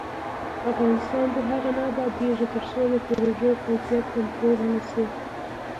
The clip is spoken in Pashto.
افغانستان تر هغو نه ابادیږي، ترڅو د پروژو کیفیت کنټرول نشي.